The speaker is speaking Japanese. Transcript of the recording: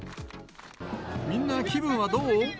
みんな気分はどう？